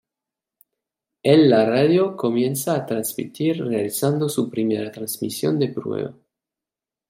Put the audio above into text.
El la radio comienza a transmitir realizando su primera transmisión de prueba.